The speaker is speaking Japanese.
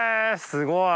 すごい。